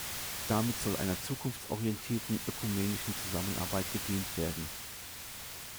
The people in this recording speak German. Damit soll einer zukunftsorientierten ökumenischen Zusammenarbeit gedient werden.